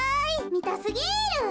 みたすぎる。